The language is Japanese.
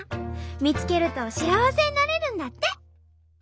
見つけると幸せになれるんだって！